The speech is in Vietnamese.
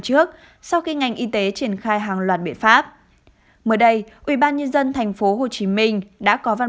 trước sau khi ngành y tế triển khai hàng loạt biện pháp mới đây ủy ban nhân dân tp hcm đã có văn